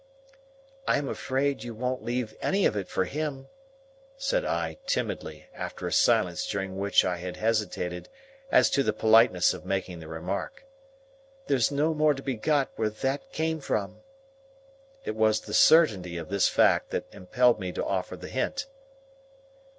"I am afraid you won't leave any of it for him," said I, timidly; after a silence during which I had hesitated as to the politeness of making the remark. "There's no more to be got where that came from." It was the certainty of this fact that impelled me to offer the hint.